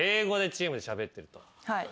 はい。